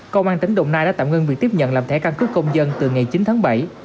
công an tỉnh đồng nai đã tạm ngưng việc tiếp nhận làm thẻ căn cước công dân từ ngày chín tháng bảy